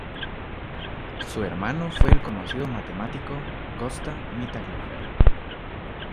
Su hermano fue el conocido matemático Gösta Mittag-Leffler.